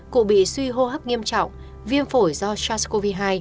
cụ bị suy hô hấp nghiêm trọng viêm phổi do sars cov hai